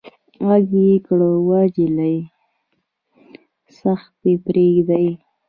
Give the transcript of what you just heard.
غږ يې کړ وه جلۍ سختي پرېدئ.